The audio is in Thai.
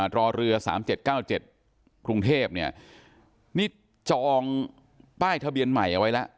รอเรือ๓๗๙๗กรุงเทพเนี่ยนี่จองป้ายทะเบียนใหม่เอาไว้แล้ว